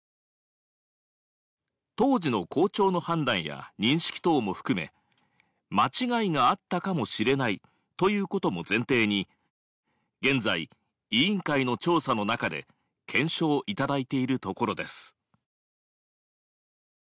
当時の校長の判断や認識等も含め間違いがあったかもしれないということも前提に現在委員会の調査の中で検証いただいているところです